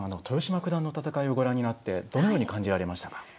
豊島九段の戦いをご覧になってどのように感じられましたか。